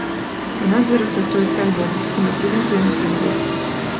У нас зараз рыхтуецца альбом, і мы прэзентуем сінгл.